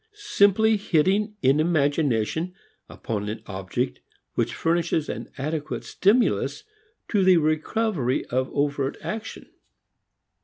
Simply hitting in imagination upon an object which furnishes an adequate stimulus to the recovery of overt action.